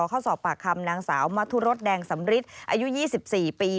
เข้าสอบปากคำนางสาวมัธุรสแดงสำริทอายุ๒๔ปี